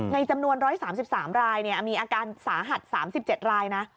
จำนวน๑๓๓รายมีอาการสาหัส๓๗รายนะ